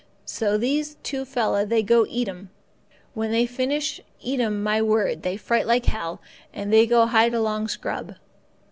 So these two fella they go eat 'm. When they finish eat 'm, my word, they fright like hell, and they go hide along scrub.